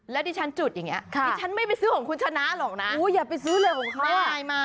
แล้วที่ฉันจุดอย่างเงี้ยที่ฉันไม่ไปซื้อของคุณชนะหรอกนะไม่ไม่ซื้อหรอกนะ